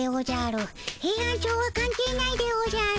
ヘイアンチョウはかん係ないでおじゃる。